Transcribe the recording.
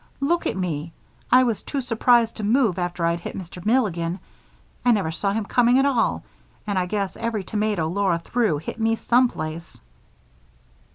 Look at me! I was too surprised to move after I'd hit Mr. Milligan I never saw him coming at all and I guess every tomato Laura threw hit me some place."